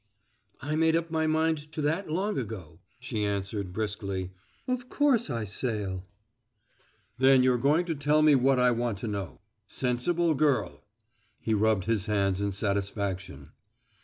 "I made up my mind to that long ago," she answered briskly. "Of course I sail." "Then you're going to tell me what I want to know. Sensible girl!" He rubbed his hands in satisfaction.